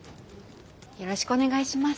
よろしくお願いします。